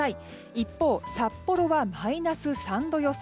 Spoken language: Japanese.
一方、札幌はマイナス３度予想。